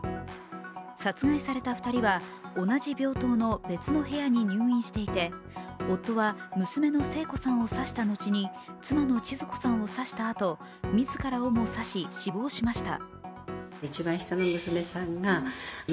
殺害された２人は同じ病棟の別の部屋に入院していて夫は娘の聖子さんを刺した後に妻のちづ子さんを刺したあと自らをも刺し、死亡しました。